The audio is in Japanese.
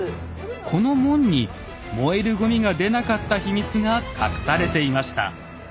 この門に燃えるごみが出なかった秘密が隠されていました。